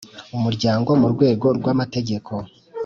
Umuryango mu rwego rw amategeko